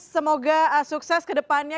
semoga sukses ke depannya